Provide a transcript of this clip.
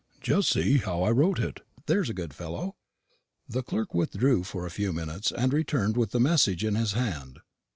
"Just see how I wrote it, there's a good fellow." The clerk withdrew for a few minutes, and returned with the message in his hand.